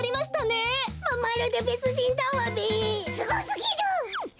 すごすぎる！